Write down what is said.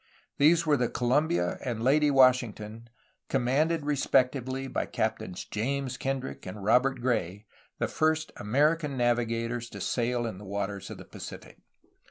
These were the Columbia and Lady Wash ington, commanded respectively by Captains James Kendrick and Robert Gray, the first American navigators to sail in the waters of the Pacific.